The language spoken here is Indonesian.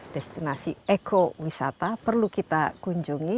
destinasi ekowisata perlu kita kunjungi